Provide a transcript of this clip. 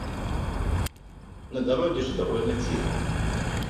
На дороге же довольно тихо.